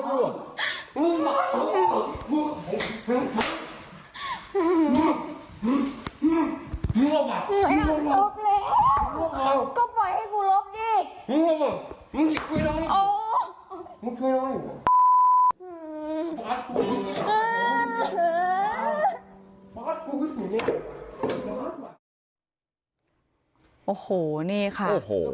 โอ้โหทุกคนค่ะ